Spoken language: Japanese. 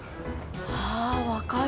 ああ分かる。